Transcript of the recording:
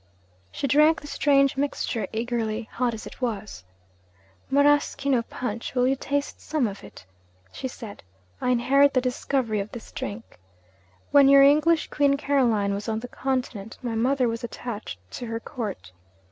She drank the strange mixture eagerly, hot as it was. 'Maraschino punch will you taste some of it?' she said. 'I inherit the discovery of this drink. When your English Queen Caroline was on the Continent, my mother was attached to her Court.